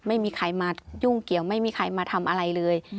ไม่มีใครมายุ่งเกี่ยวไม่มีใครมาทำอะไรเลย